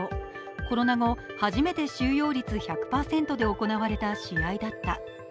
コロナ後初めて収容率１００％で行われた試合だった。